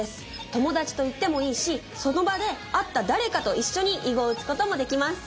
友達と行ってもいいしその場で会った誰かと一緒に囲碁を打つこともできます。